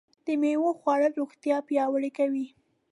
د مېوو خوړل روغتیا پیاوړې کوي.